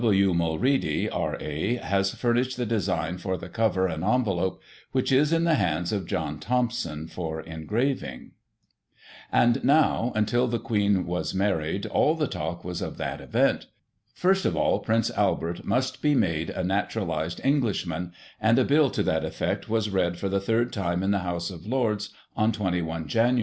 W. Mulready, R.A., has furnished the design for the cover and envelope, which is in the hands of John Thompson for engraving." Digiti ized by Google 1840] PRINCE ALBERT'S ALLOWANCE. 119 And, now, until the Queen was married, all the talk was of that event. First of all Prince Albert must be made a naturalised Englishman, and a bill to that effect was read for the third time in the House of Lords on 21 Jan.